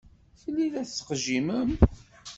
Fell-i i la tettqejjimem?